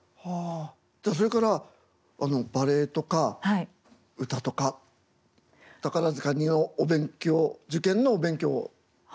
はあじゃあそれからバレエとか歌とか宝塚のお勉強受験のお勉強を。